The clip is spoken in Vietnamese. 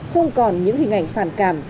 không còn những hình ảnh phản cảm